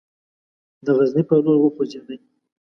د غزني پر لور وخوځېدی.